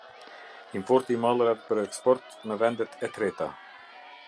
Importi i mallrave për eksport në vendet e treta.